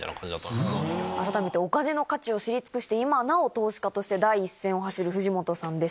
改めてお金の価値を知り尽くして今なお投資家として第一線を走る藤本さんです。